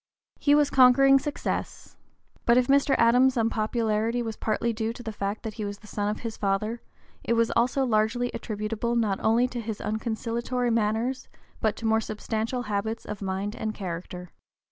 He was conquering success. But if Mr. Adams's unpopularity was partly due to the fact that he was the son of his father, it was also largely attributable not only to his unconciliatory manners but to more substantial habits of mind and character.